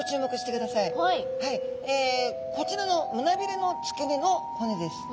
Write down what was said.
こちらの胸びれの付け根の骨です。